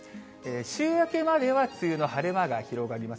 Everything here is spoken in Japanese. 週明けまでは梅雨の晴れ間が広がります。